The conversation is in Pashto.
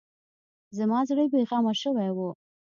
زما زړه بې غمه شوی و.